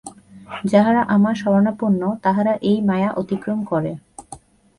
যাহারা আমার শরণাপন্ন, তাহারা এই মায়া অতিক্রম করে।